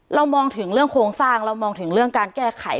เรามองถึงเรื่องโครงสร้างเรามองถึงเรื่องการแก้ไข